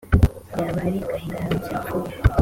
Byaba ari agahinda aramutse apfuye